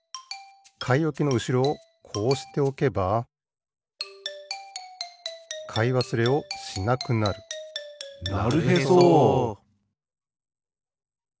かいおきのうしろをこうしておけばかいわすれをしなくなるなるへそ！